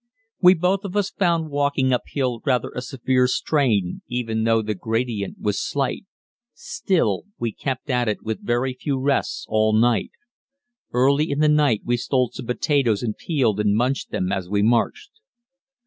We both of us found walking uphill rather a severe strain, even though the gradient was slight; still, we kept at it with very few rests all night. Early in the night we stole some potatoes and peeled and munched them as we marched.